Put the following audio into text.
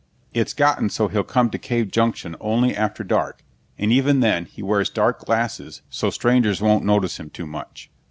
It's gotten so he'll come to Cave Junction only after dark, and even then he wears dark glasses so strangers won't notice him too much.